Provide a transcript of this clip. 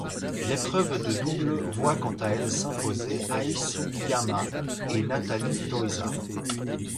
L'épreuve de double voit quant à elle s'imposer Ai Sugiyama et Nathalie Tauziat.